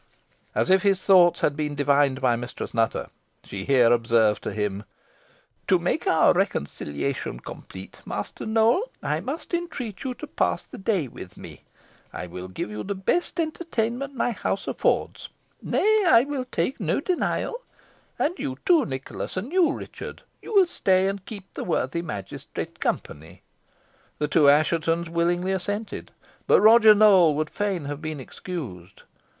As if his thoughts had been divined by Mistress Nutter, she here observed to him, "To make our reconciliation complete, Master Nowell, I must entreat you to pass the day with me. I will give you the best entertainment my house affords nay, I will take no denial; and you too, Nicholas, and you, Richard, you will stay and keep the worthy magistrate company." The two Asshetons willingly assented, but Roger Nowell would fain have been excused.